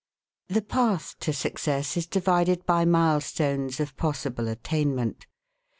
The path to success is divided by mile stones of pos sible attainment.